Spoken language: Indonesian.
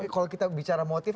kalau kita bicara motif